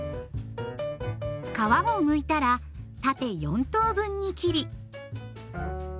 皮をむいたら縦４等分に切り。